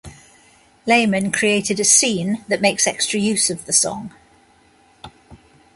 Lehman created a scene that makes extra use of the song.